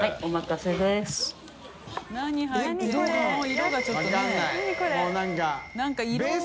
色がちょっとね。